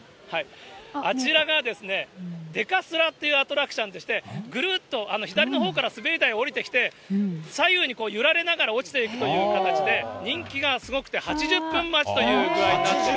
あちらがデカスラっていうアトラクションでして、ぐるっと左のほうから滑り台下りてきて、左右に揺られながら落ちていくという形で、人気がすごくて、８０分待ちという具合になってるんですね。